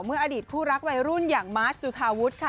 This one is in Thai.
เมื่ออดีตคู่รักวัยรุ่นอย่างมาร์ชดูคาวุทธ์ค่ะ